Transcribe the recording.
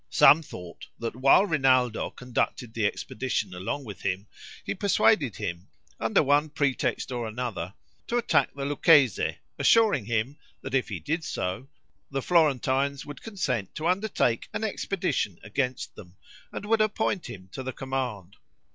Some thought that while Rinaldo conducted the expedition along with him, he persuaded him, under one pretext or another, to attack the Lucchese, assuring him, that if he did so, the Florentines would consent to undertake an expedition against them, and would appoint him to the command.